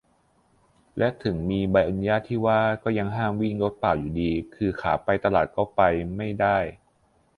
และถึงมีใบอนุญาตที่ว่าก็ยังห้ามวิ่งรถเปล่าอยู่ดี คือขาไปตลาดก็ไปไม่ได้